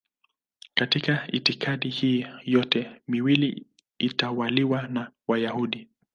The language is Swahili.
Katika itikadi hii yote miwili ilitawaliwa na Wayahudi.